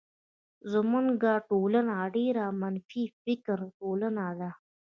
زمونږ ټولنه ډيره منفی فکره ټولنه ده.